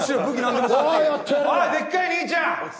おいデッカい兄ちゃん！